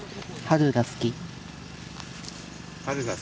春が好きか。